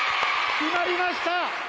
決まりました